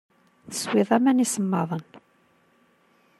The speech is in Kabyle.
Teswiḍ aman isemmaḍen.